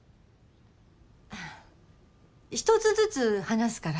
一つずつ話すから。